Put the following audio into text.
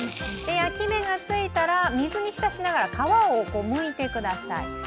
焼き目がついたら、水に浸しながら皮をむいてください。